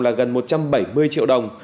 là gần một trăm bảy mươi triệu đồng